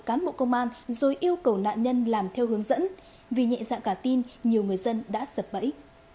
cán bộ công an rồi yêu cầu nạn nhân làm theo hướng dẫn vì nhẹ dạ cả tin nhiều người dân đã sập bẫy